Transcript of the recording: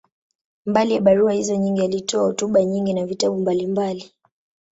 Mbali ya barua hizo nyingi, alitoa hotuba nyingi na vitabu mbalimbali.